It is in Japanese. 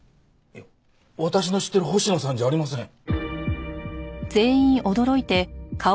いや私の知ってる星野さんじゃありません。